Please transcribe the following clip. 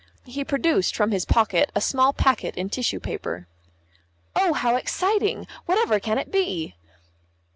He produced from his pocket a small packet in tissue paper. "Oh, how exciting! Whatever can it be?"